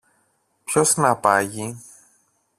Ποιος να πάγει;